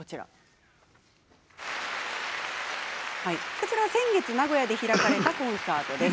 こちらは先月名古屋で開かれたコンサートです。